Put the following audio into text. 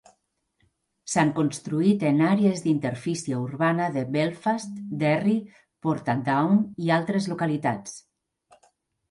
S'han construït en àrees d'interfície urbana de Belfast, Derry, Portadown i altres localitats.